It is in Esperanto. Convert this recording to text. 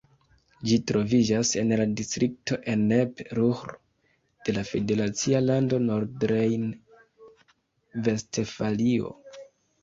Ĝi troviĝas en la distrikto Ennepe-Ruhr de la federacia lando Nordrejn-Vestfalio.